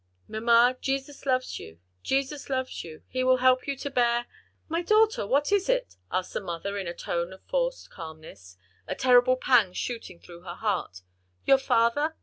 Mamma, Jesus loves you, Jesus loves you! He will help you to bear " "My daughter, what is it?" asked the mother in a tone of forced calmness, a terrible pang shooting through her heart, "your father?